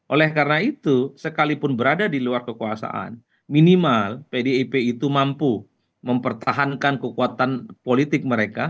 oleh karena itu sekalipun berada di luar kekuasaan minimal pdip itu mampu mempertahankan kekuatan politik mereka